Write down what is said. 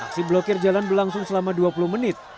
aksi blokir jalan berlangsung selama dua puluh menit